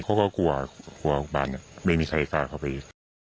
ก็กลัวบ้านไม่มีใครกล้าเข้าไปอีก